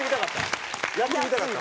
やってみたかった。